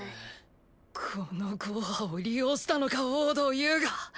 このゴーハを利用したのか王道遊我。